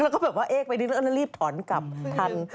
แล้วก็แบบว่าเอ๊กไปนิดหนึ่งแล้วเราก็รีบถอนกลับทัน